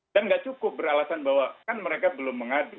dan gak cukup beralasan bahwa kan mereka belum mengadu